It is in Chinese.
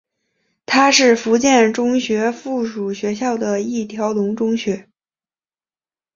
它是福建中学附属学校的一条龙中学。